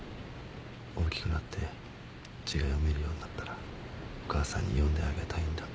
大きくなって字が読めるようになったらお母さんに読んであげたいんだ。